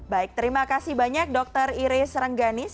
baik terima kasih banyak dokter iris rengganis